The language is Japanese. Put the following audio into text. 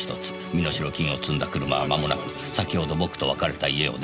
身代金を積んだ車はまもなく先ほど僕と別れた家を出ます」